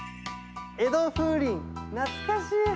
江戸風鈴、懐かしい。